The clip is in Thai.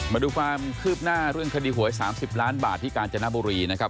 มาดูความคืบหน้าเรื่องคดีหวย๓๐ล้านบาทที่กาญจนบุรีนะครับ